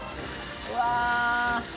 うわ！